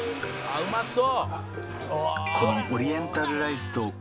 「うまそう！」